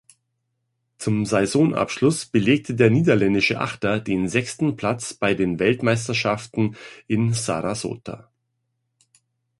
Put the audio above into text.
Zum Saisonabschluss belegte der niederländische Achter den sechsten Platz bei den Weltmeisterschaften in Sarasota.